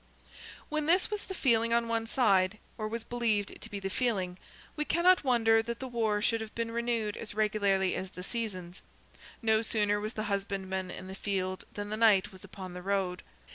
When this was the feeling on one side, or was believed to be the feeling, we cannot wonder that the war should have been renewed as regularly as the seasons. No sooner was the husbandman in the field than the knight was upon the road.